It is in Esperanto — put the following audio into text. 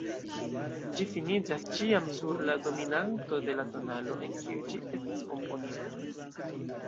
Ĝi finiĝas ĉiam sur la dominanto de la tonalo, en kiu ĝi estas komponita.